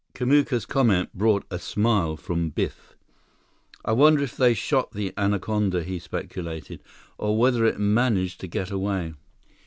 Kamuka's comment brought a smile from Biff. "I wonder if they shot the anaconda," he speculated, "or whether it managed to get away."